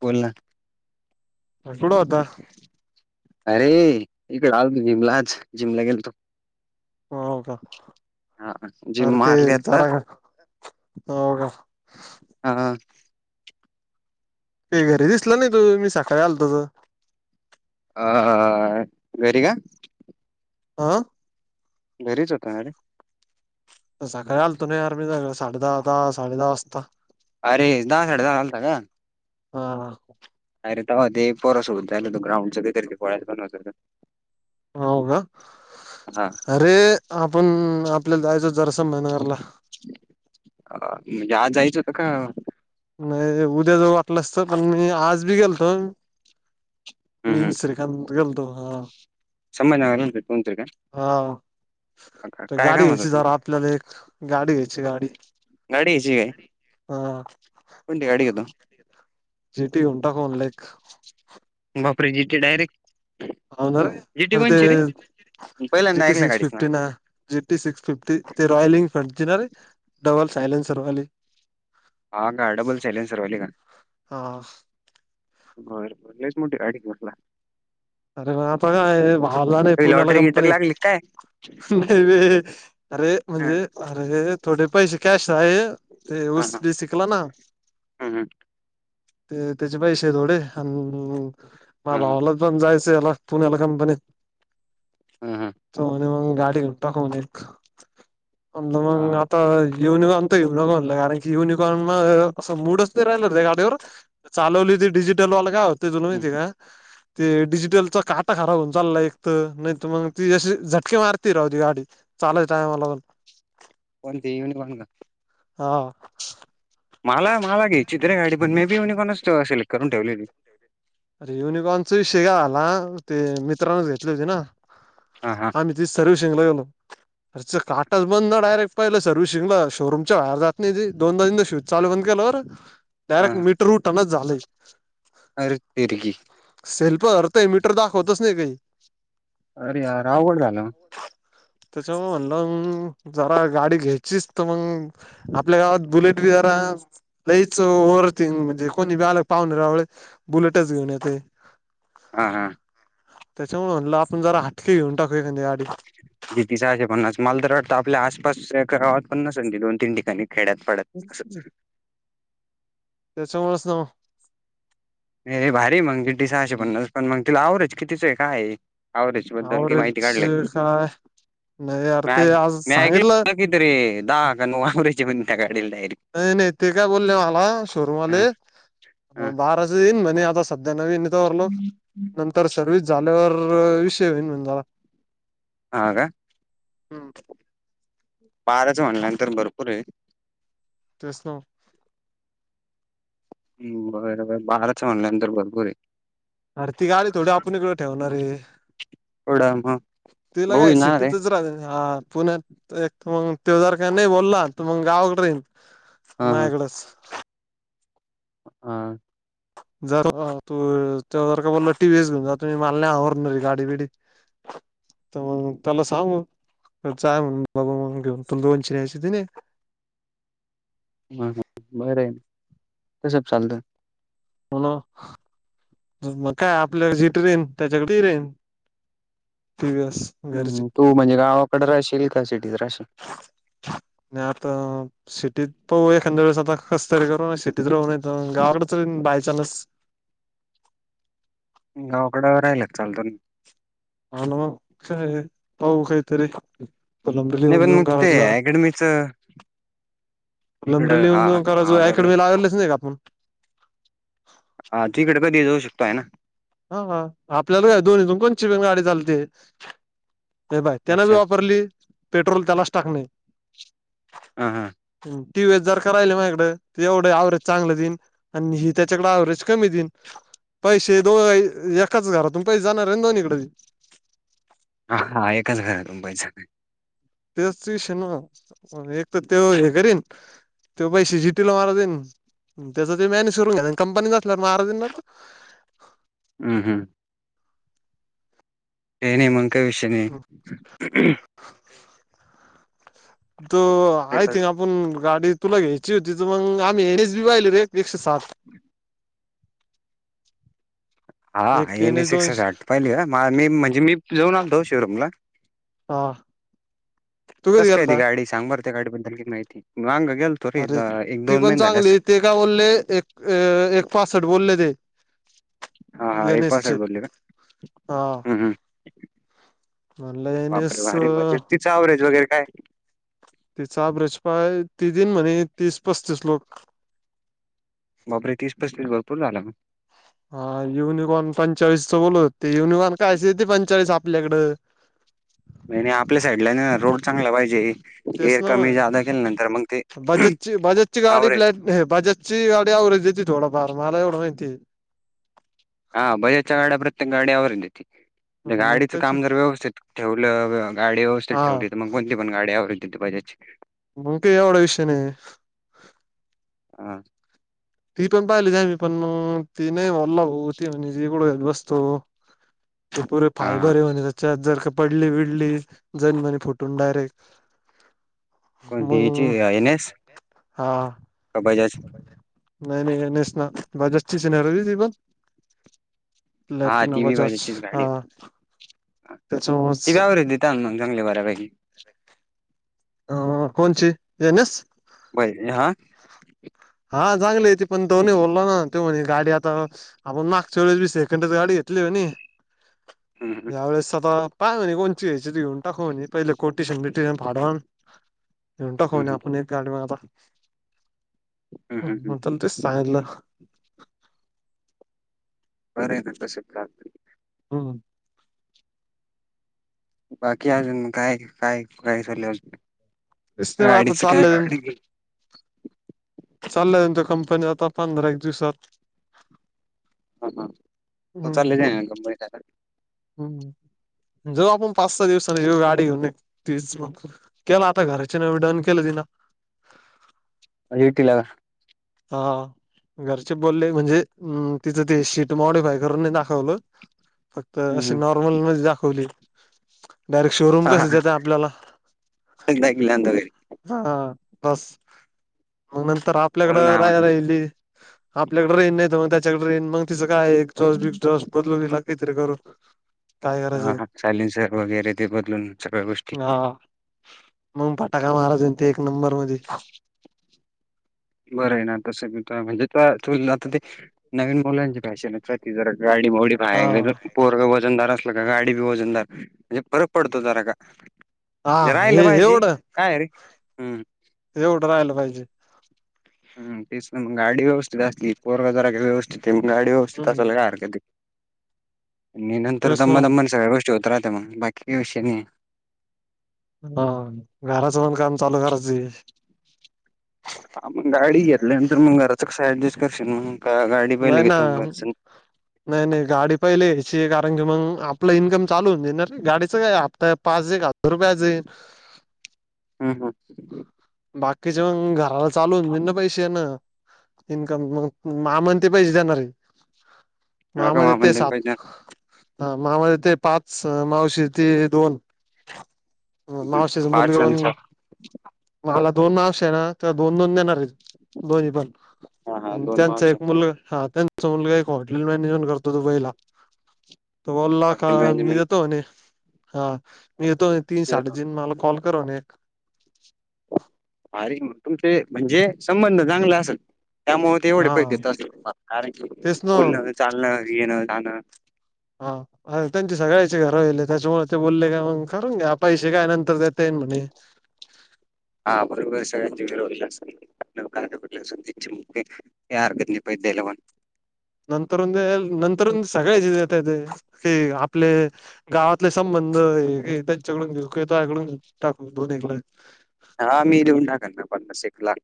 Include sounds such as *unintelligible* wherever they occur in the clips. बोोलला सुुड होता अरे इकडे राहल तू जिमला आज जिमला गेल तू हो हो का हा मर जिम ते मारली आता जरा हो का हा ते घरी दिसला नाही तू मी सकाळी आलतो तर अ वेर का आं घरीच होता अरे सगळे आलतो नाही आर मी सगळ साडे दहाता साडे दहा वाजता अरे दहा साडे दहा घलता का? हा ह. अरे ते परस होत जालत ग्रांडचं कातरी तेेळायच पण हो का हा अरे. आपण आपल्याला जायचो जरसा मनरला अ म्हणजे आज जायचं होत. नाही उद्या जवळ वाटलं असत पण मी आज बी गेलतो. मन श्री खांत गलतो हा. समजगणंततर का? हो. तर गाडी काम होतं घ्यायची तुम जरा आपल्याला एक गाडी घ्यायची गाडी नडीची हा. कोण गाडी घेतो. सिटी उटाकन लेख बा फ्रिजट डारेक्ट होन अदी जि पहिल्यांदा टी ऐकलं सक्स गाडीच नाव फिफ्टीन जिट्टी सिक्स फिफ्टी ते रॉयल इनफ्रड दिणारे डबल सायलेनसरवाली हां का डबल ॅलेंजरवाले का? हा बरलेच मोठ गडी म्हटलं. अरे माहता बावला नाही काही पूणाला लॉटरी गिटरी कंपनी लागली काय न. अरे हा म्हणजे अरे थोडे पैसे कॅश आहे ते ऊसडी शिकला ना. हां हां. ते त्याचे पैसे थोडे आणि मा हं भावाला पण जायच. ला पुण्याला कंपनी हं मग गाडी घ टाकव. हां मग हां आता युनिकॉन तर युनिकॉनला कारण की युनिकॉन म असं मूडच ते राहिल हो गाडीवर चालवली ते डिजिटलवाल का होते त माहिती का ते डिज लचा काटा खराब होऊन चालला एक तर नाहीतर मग ती जशी झटके मारती राहती गाडी चालेल टायमलागून कोण त इवन वाण का? हा. मला मला घे चित्रे गाडी पण मे बी म कोणा सिलेक्ट करून ठेवलेली. अरे युनिकॉर्नचा विषय का आला ते मित्रांनच घेतले होते ना. हा हा. आ्हीिी सर्विसिंगला गेलो. अरचं काटच बंद ना डायरेक्ट पहिलं सर्वि्हसिंग ला शोरूमच्या वहेर जात नाही दोदा दिन स्विच चालू बंद केलंवर डायरेक्ट मीटर रूटनच झालंय. अर तिरगी सेल्फ अर्थय मीटर दाखवतच नाही काही अरे राव कड जाल. त्याच्यामुळे म्हंलं जरा गाडी घ्यायचीच तर मग आपल्या गावात बुलेट वगैरा लईच ओ्हरथिंग म्हणजे कोणी वला पाहूनव बुलेटच घेऊन येते. हां हां. त्याच्यामुळे म्हणलं आपण जरा हटके घेऊन टकू एख्या गाडी जिती सहाशे पन्नास मालदर वाटता आपल्या आसपास गावात पन्नास दोन तीन ठिकाणी खेड्यात पडत. ह. त्याच्यामुळेच ना. भारी मग तिडी सहाशे पन्नास पण मग तिला आवरच कितीचं आहे काय आहे. आव्हरेज बद्दल किती माहिती अव्हरेज काढले काय नाही *unintelligible* यार ते आज दहा सांगितलं *unintelligible* त्या गाडीला डायरेक्ट नाही नाही ते काय बोलले मला, शोरूमवाले हां हां बाराचं येईन ना मी आता सध्या नवीन *unintelligible* नंतर सर्विस झाल्यावर विषय होईन *unintelligible* हा का? हम्म बाराच म्हणल्यानंतर भरपूर आहे. तेच ना. हम्म बघाय लागल, बाराच म्हणल्यानंतर भरपूर आहे. अरे ती गाडी थोडी आपण इकडे ठेवणार आहे? *unintelligible* तुला भाऊ काय येणार आहे सिटीतच राह हा, पुण्यात एक मग त्यो जर का नाही बोलला, त मग गावाकडे राहीन हा हा माझ्याकडच. हा जर तू, जर का बोलला टीव्हीएस घेऊन जा तुम्ही, मला नाय आवरणार ही गाडी बिडी. *inaudible* तर मग त्याला सांगय मग *unintelligible* दोनशे ऐंशी दिले. हम बरंय *unintelligible* कसं बी चालतं. हो *unintelligible* मग काय आपल्या जी *unintelligible* त्याच्याकडे *unintelligible* टीव्हीएस. घरची हम्म, तू म्हणजे गावाकडे राहशील का सिटीत राहशील? मी आता सिटीत पाहू एखाद्या वेळेस आता, कसतरी करू सिटीत राहू नाहीतर मग, गावडच बाय चान्स गावकडं राहिला त चालतो हा ना, फिरायले पाहू काहीतरी. पण *unintelligible* मग ते गावाचं जरा अकॅडमीच *unintelligible* ला इकडं हा येऊन जाऊन करायचं, हा बरं आहे अकॅडमीला आलेच नाही का आपण? हा तिकडे कधी ही जाऊ शकतो आहे ना? हा हा आपल्याला काय दोन्हीतुन कोणचीपण गाडी चालते. हे पहाय, त्यांनं बी अच्छा वापरली, पेट्रोल त्यालाच टाकणे. हा हा. टीव्हीएस जर का राहिली माझ्याकडे, तर एवढं अव्हरेज चांगलं देईन आणि ही त्याच्याकडे अव्हरेज कमी देईन, पैसे दोय एकाच घरातून पैसे जाणार आहे दोन्हीकडं बी. हा हा एकच घरातून पैसे जाणार. तेच त इशू आहे ना, एक तर तो हे करीन तो पैसे *unintelligible* त्याचं तो मॅनेज करून घ्या कंपनी *unintelligible* हम्म हम्म काय नाय मग काय विषय नाही. *inaudible* तो आयथिंग आपण गाडी तुला घ्यायची होती तर मग, आम्ही एन एच बी पाहिले रे एकशे सात हा एक एन एच एस एक्स दोनश साठ पाहिली ना, मी म्हणजे मी जाऊन आलतो शोरूम ला हा तू कधी कसं काय गेलता ती गाडी? सांग बर त्या गाडी बद्दल काही माहिती मांग गेल अरे ती पण चांगली आहे, ते काय बोलले एक एक पासष्ट बोलले ते. हा एन एक एस पासठ चे बोलले का? हा हम्म हम्म म्हणलं एन एस बापरे भारी, म्हजे तिचं आवरेज वगैरे काय? तिचं आव्हरेज पहाय, ती देईन म्हणे तीस पस्तीस लोक बापर तीसपस भरपूर झाला हा युनिकॉन पंचाळीसचं बोलत होते. ते युनिकॉन कायच देते पंचेचाळीस आपल्याकडं. नाही आपल्या साईडला ना रोड चांगला पाहिजे. तेच एअर ना कमी मग. जादा केल्यानंतर मग ते बजाज ची बजाजची गाडी आवरेज नाही बजाज ची गाडी अवरेज देते थोडाफार मला एवढं माहिती आहे. हा बजाजच्या गाड्या प्रत्येक गाडी अवरेज देती. मग गाडीचं त्याच काम जर व्यवस्थित ठेवलं, गाडी व्यवस्थित हा ठेवली तर मग कोणती पण अवरेज देती बजाज ची. मग का एवढा विषय नाही. हा. ती पण पाहिली होती आम्ही पण ती नाही म्हणलं ती *unintelligible* ते पुरे हा फायबर म्हणे त्याच्यात जर का पडली बिडली जण म्हणे फुटून डायरेक्ट. कोणती याची हम्म एन एस हा. बजाज. नाही नाही नस ना बजाज ची आहे ना रे ती पण. हा प्लॅटिना ती बी बजाज बजाजचीच गाडी हा. आहे. ती बी त्याच्यावरच. आवरेज देता ना मग चांगली बऱ्यापैकी अ कोणची पाहिजे हा *unintelligible* हा चांगलीय ते. पण तो नई बोलल ना तो म्हणे गाडी आता आपण मागच्या वेळेस बी सेकंडच गाडी घेतली म्हणी. हम्म या वेळेस आता पाय म्हणे कोणती घ्यायची घेऊन टाका म्हणे पहिले कोट्यशन बिट्यशन फाडून घेऊन टाकू म्हणे हम्म आपण एक गाडी मग आता. हम्म हम्म तेच सांगितलं. बरे ना तसे *unintelligible* हम. बाकी अजून काय काय काय चाललंय? तेच नाही आता गाडीच काय चाललंय गाडी चालला जाईल तो कंपनीत आता पंधरा एक दिवसात. हा हा तो चालले हम्म जाईल कंपनीत आता. हम्म जाऊ आपण पाच सहा दिवसानी जाऊ गाडी घेऊन येऊ तीस मग. केला आता घराचे न डन केलं तिना. *unintelligible* हा. घरचे बोलले म्हणजे तिथं ते शीट मॉडिफाय करून नाही दाखवलं. फक्त हम्म अशी हम्म नॉर्मल मधी दाखवली डायरेक्ट शोरूम हा हा कस देत आपल्याला. *unintelligible* हा बस मग नंतर म्हणून आपल्याकडं राय आवडलं राहिली. आपल्याकडे राहीन नाही तर मग त्याच्याकडे राहीन. मग तिचं काय एक्झॉस्ट बीक्झॉस्ट बदलू काहीतरी करू. काय हा करायचं हा सायलेन्सर वगैरे ते बदलून सगळ्या गोष्टी हा मग फटाका मारायचं ते एक नंबर मध्ये. बरं ना तस म्हणजे तु आ ते नवीन मुलांची फॅशन आहे. ति जर गाडी हा मोडीफाय पोरग वजनदार असल का गाडी बी वजनदार म्हणजे फरक पडतो जरा का हा जे हे राहिलं पाहिजे एवढं काय रे हम् एवढं राहिलं पाहिजे. हम तेच मग गाडी व्यवस्थित असली पोरग जरा का व्यवस्थित आहे मग गाडी व्यवस्थित हम्म असाल काय हरकत ये. आणि नंतर तेच ना दमा दमान सगळ्या गोष्टी होत राहत मग बाकी काही विषय नाही. हा घराचं पण काम चालू करायचं. हा मग गाडी घेतल्यानंतर मग घराचं कस डजस्ट करशील? मग गाडी पहिले नाही ना घेतो घर नाही नाही गाडी पहिली यायची कारण की मग आपलं इन्कम चालू होऊन जाईल. गाडीचं काय हताय पाच एक हज रुपयाचईन हम् हम बाकीचे मग घराला चालू हो दे ना पैसे ना इन्कम मग मा म्हणते पैसे देणार आहे हम्म का ममध्ये ते मामन तेन सात पाहिजे ह मामा ते पाच मावशी ते दोन मावशचा मुलगा पाच आणि पण सहा मला दोन मावश आहे ना ते्हा दोन दोन देणार आहे बोनी पण हा हा दोन त्यांचा मावशे एक मुलग हा त्यां स मुलगा एक हॉटेल मॅनेजमेंट करतो दुबईला त बोलला का हॉटेल मी मॅनेजमेंट देतो हा मी येतो तीन साठ जन मला कॉल करून एक *inaudible* ारी तुमचे म्हणजे संबंध चांगले असेल त्यामुळे तेवढे हा पहि देत अस कारण की तेच ना बोलण चालणं येणं जाणं हा अर त्यांची सगळ्याची घर येले त्याच्यामुळे ते बोलले का मग करून घ्या पैसे काय नंतर देता येईन म्हणे हा बरोबर सगळ्यांचे वेळडला असेडलं अस त्यां याार गदनी प दलन नंतर नंतर सगळे्या येत ते कि आपले गावातले संबंध त्यांच्याकडून घेऊ तकडून टाकू दोनक हा मी देेऊन टाकणार पन्नास शेकला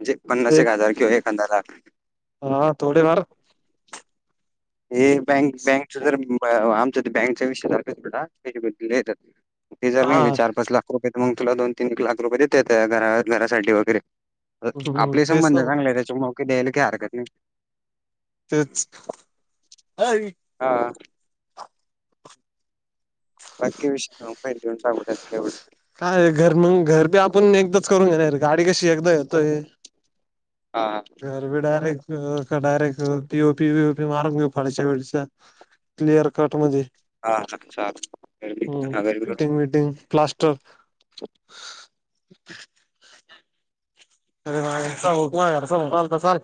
म्हणजे पन्नास एक हजार कि एक हजार लाख हा थोडे मार हे बँक बँकच ज आमच बँकचा विषय सारख बा त्याच्याबद्दल ती जर हा नाही चार पाच लाख रुपये तर मग तुला दोन तीन लाख रुपये देतेत घरा घरासाठी वगैरे हम्म, आपले तेच संबंध ना चांगले त्याच्या नके द्यायला की हरकत नाही तेच अ हा बागकी विषयहि देऊन सांगूतवढं काय घर मग घर पे आपण एकदाच करून घेणार गाडी कशी एकदा येतोय हा घर बी डारेक्टडयरेक्टीओपी बओपी मारून घेऊ फडश वेळच्या क्लिअर कट म्हणे हा चालेल फिटिंग विटिंग प्लास्टिक ह अरेल स